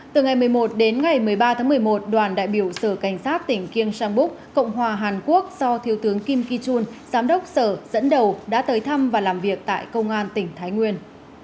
từ ngày một mươi một đến ngày một mươi ba tháng một mươi một đoàn đại biểu sở cảnh sát tỉnh kiêng sang búc cộng hòa hàn quốc do thiếu tướng kim khi chun giám đốc sở dẫn đầu đã tới thăm và làm việc tại công an tỉnh thái nguyên